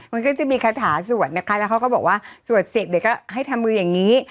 มันก็จะมีคาถาสวดนะคะแล้วเขาก็บอกว่าสวดเสร็จเดี๋ยวก็ให้ทำมืออย่างนี้